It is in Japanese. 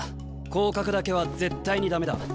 降格だけは絶対に駄目だ。